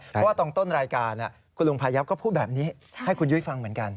เพราะว่าตอนต้นรายการคุณลุงพายับก็พูดแบบนี้ให้คุณยุ้ยฟังเหมือนกัน